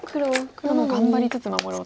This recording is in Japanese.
黒も頑張りつつ守ろうと。